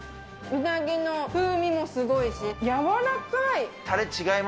うなぎの風味もすごいし、柔らかい。